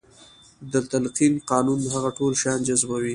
د تلقين قانون هغه ټول شيان جذبوي.